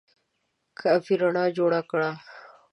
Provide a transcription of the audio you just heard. کافي رڼا جوړه کړه !